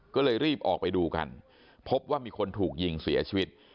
ก็เลยรีบออกไปดูกันพบว่ามีคนถูกยิงเสียชีวิต